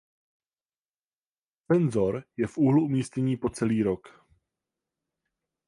Senzor je v úlu umístění po celý rok.